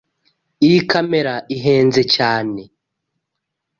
Iyi kamera ihenze cyane.